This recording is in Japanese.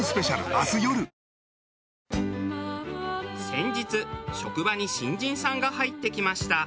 先日職場に新人さんが入ってきました。